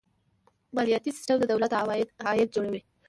مالیاتي سیستم د دولت عاید جوړوي.